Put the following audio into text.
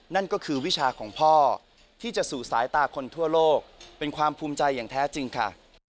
นั่นก็คือวิชาของพ่อที่จะสู่สายตาคนทั่วโลกเป็นความภูมิใจอย่างแท้จริงค่ะ